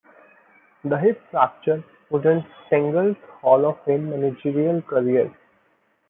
The hip fracture would end Stengel's Hall of Fame managerial career.